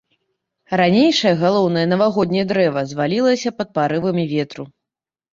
Ранейшае галоўнае навагодняе дрэва звалілася пад парывамі ветру.